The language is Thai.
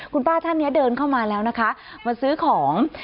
คุณป้าท่านนี้เดินเข้ามาแล้วนะคะมาซื้อของ